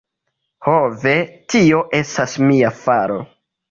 Ho ve, tio estas mia faro!